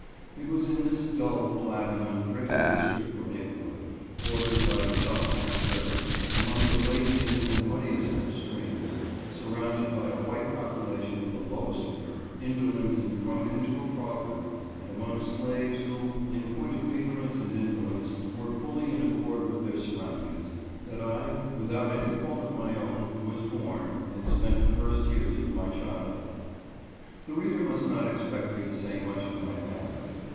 It was in this dull, flat, and unthrifty district or neighbor hood, bordered by the Choptank river, among the laziest and muddiest of streams, surrounded by a white popula tion of the lowest order, indolent and drunken to a pro verb, and among slaves who, in point of ignorance and indolence, were fully in accord with their surroundings, that I, without any fault of my own, was born, and spent the first years of my childhood. The reader must not expect me to say much of my family.